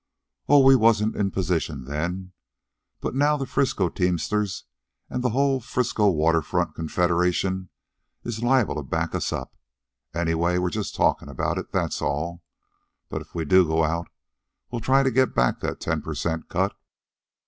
"Oh, we wasn't in position then. But now the Frisco teamsters and the whole Frisco Water Front Confederation is liable to back us up. Anyway, we're just talkin' about it, that's all. But if we do go out, we'll try to get back that ten per cent cut."